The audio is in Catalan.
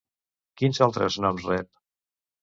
Quins altres noms rep?